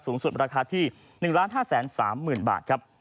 สูงสุดราคาที่๑ล้าน๕แสน๓หมื่นบาทครับ